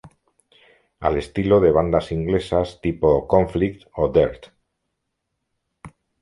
Al estilo de bandas inglesas tipo Conflict o Dirt.